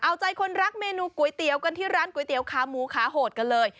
เอาใจคนรักเมนูก๋วยเตี๋ยวกันที่ร้านก๋วยเตี๋ยวขาหมูขาโหดกันเลย